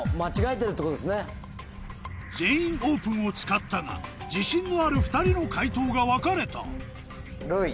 「全員オープン」を使ったが自信のある２人の解答が分かれたるうい。